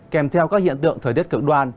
kèm theo các hiện tượng thời tiết cực đoan